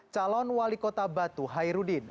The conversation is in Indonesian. calon wali kota batu hairudin